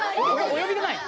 およびでない？